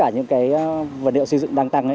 những vật liệu xây dựng đang tăng